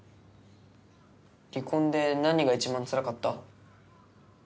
離婚で何が一番つらかった？